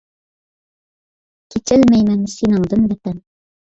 كېچەلمەيمەن سېنىڭدىن ۋەتەن!